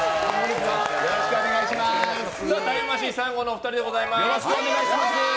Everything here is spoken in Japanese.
タイムマシーン３号のお二人でございます。